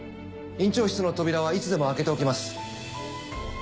院長室の扉はいつでも開けておきます。